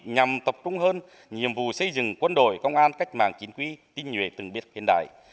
nhằm tập trung hơn nhiệm vụ xây dựng quân đội công an cách mạng chính quy tinh nhuệ từng biệt hiện đại